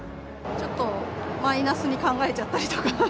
ちょっとマイナスに考えちゃったりとか。